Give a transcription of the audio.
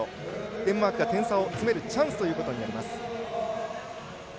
デンマークが点差を詰めるチャンスとなります。